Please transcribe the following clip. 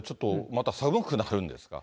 また寒くなるんですか。